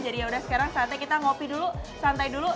jadi ya udah sekarang saatnya kita kopi dulu santai dulu